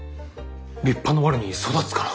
立派なワルに育つかな。